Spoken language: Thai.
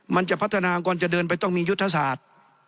มันจะพัฒนาก่อนจะเดินไปต้องมียุทธศาสตร์